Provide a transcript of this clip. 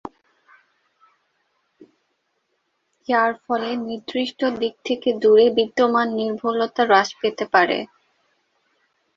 যার ফলে নির্দিষ্ট দিক থেকে দূরে বিদ্যমান নির্ভুলতা হ্রাস পেতে পারে।